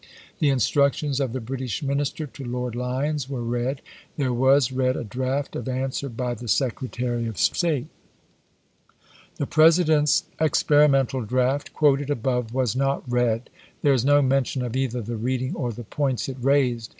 The instructions of the British minister to Lord Lyons were read. .. There was read a draft of answer by the Secretary of State." The President's experimental draft quoted above was not read; there is no mention of either the reading or the points it raised.